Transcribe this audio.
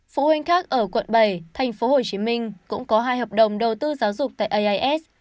phụ huynh khác ở quận bảy thành phố hồ chí minh cũng có hai hợp đồng đầu tư giáo dục tại ais